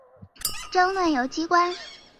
争论由机关波及部队。